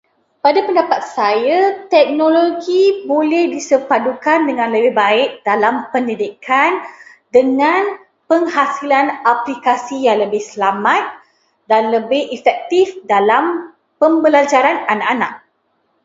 Pada pendapat saya, teknologi boleh disepadukan dengan lebih baik dalam pendidikan dengan penghasilan aplikasi yang lebih selamat dan lebih efektif dalam pembelajaran anak-anak.